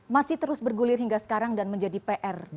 masih terus bergulir hingga sekarang dan menjadi pr